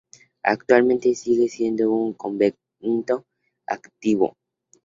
Actualmente sigue siendo un convento activo.